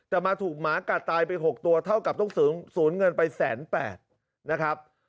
แต่มาถูกหมากัดตายไป๖ตัวเท่ากับต้องสูญเงินไป๑๘๐๐๐นะครับ